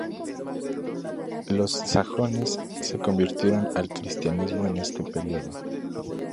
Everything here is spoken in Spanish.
Los sajones se convirtieron al cristianismo en este período.